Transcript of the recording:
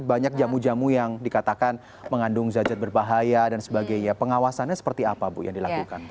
banyak jamu jamu yang dikatakan mengandung zat berbahaya dan sebagainya pengawasannya seperti apa bu yang dilakukan